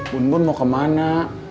bun bun mau kemana